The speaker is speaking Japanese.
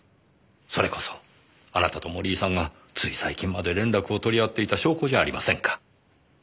それこそあなたと森井さんがつい最近まで連絡を取り合っていた証拠じゃありませんか。